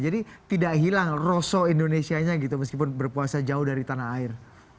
jadi tidak hilang rosok indonesia nya gitu meskipun berpuasa jauh dari tanah air